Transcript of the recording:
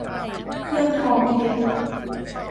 เครื่องทองทิศ